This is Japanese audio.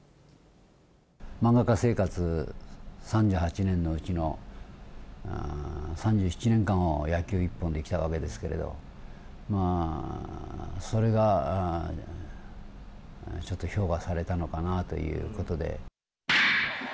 漫画家生活３８年のうちの３７年間を野球一本で来たわけですけれど、まあ、それがちょっと評価されたのかなということで。